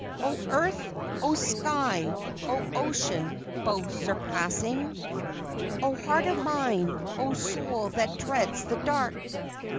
O Earth, O Sky, O Ocean, both surpassing, O heart of mine, O soul that dreads the dark!